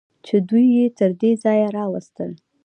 چې دوی یې تر دې ځایه راوستل.